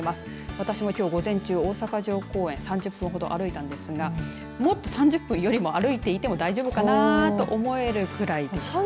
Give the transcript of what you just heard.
私もきょう、午前中大阪城公園を３０分ほど歩いたんですがもっと３０分よりも歩いていても大丈夫かなと思えるぐらいでした。